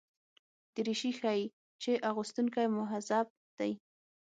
دریشي ښيي چې اغوستونکی مهذب دی.